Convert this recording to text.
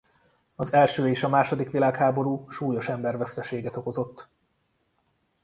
Az első és a második világháború súlyos emberveszteséget okozott.